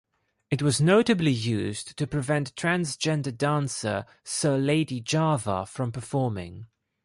It was notably used to prevent transgender dancer Sir Lady Java from performing.